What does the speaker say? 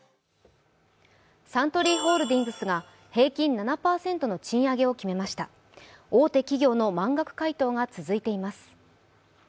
サントリーホールディングスが平均７％の賃上げを決めました大手企業の満額回答が続いています。